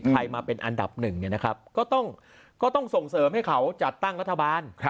ใครมาเป็นอันดับหนึ่งก็ต้องส่งเสริมให้เขาจัดตั้งรัฐบาล